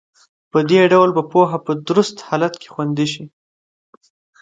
په دې ډول به پوهه په درست حالت کې خوندي شي.